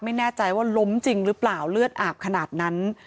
ไม่แน่ใจว่าล้มจริงหรือเปล่าเลือดอาบขนาดนั้น